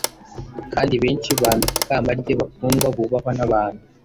kandi benshi bambika ikamba rye, bakundwa, bubahwa n'abantu.